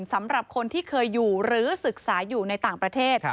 สำหรับคนที่เคยอยู่หรือศึกษาอยู่ในต่างประเทศ